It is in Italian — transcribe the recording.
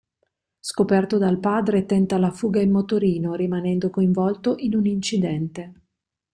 Scoperto dal padre tenta la fuga in motorino rimanendo coinvolto in un incidente.